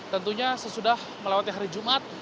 tentunya sesudah melewati hari jumat